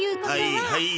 はいはい。